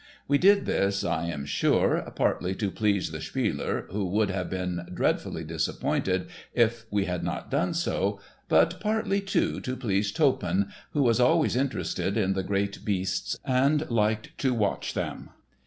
We did this, I am sure, partly to please the "spieler," who would have been dreadfully disappointed if we had not done so, but partly, too, to please Toppan, who was always interested in the great beasts and liked to watch them.